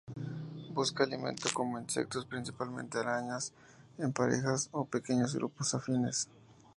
Busca alimento como insectos, principalmente arañas, en parejas o pequeños grupos afines.